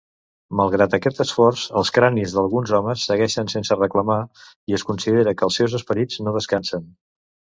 Malgrat aquest esforç, els cranis d'alguns homes segueixen sense reclamar, i es considera que els seus esperits no descansen.